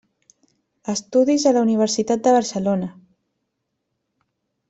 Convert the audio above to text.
Estudis a la Universitat de Barcelona.